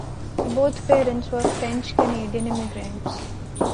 Both parents were French-Canadian immigrants.